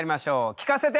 聞かせて！